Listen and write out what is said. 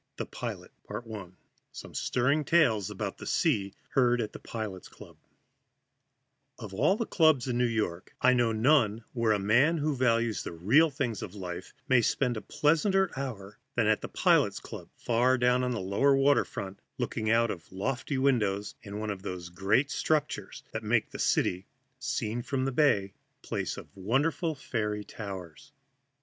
THE PILOT I SOME STIRRING TALES OF THE SEA HEARD AT THE PILOTS' CLUB OF all the clubs in New York, I know none where a man who values the real things of life may spend a pleasanter hour than at the Pilots' Club, far down on the lower water front, looking out of lofty windows in one of those great structures that make the city, seen from the bay, a place of wonderful fairy towers.